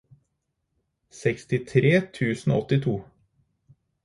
sekstitre tusen og åttito